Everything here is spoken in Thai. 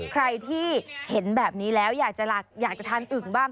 ใครที่เห็นแบบนี้แล้วอยากจะทานอึ่งบ้าง